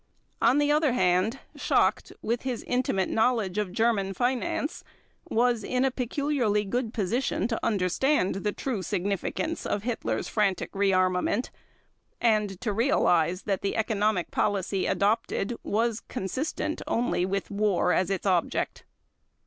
On the other hand, Schacht, with his intimate knowledge of German finance, was in a peculiarly good position to understand the true significance of Hitler's frantic rearmament, and to realize that the economic policy adopted was consistent only with war as its object.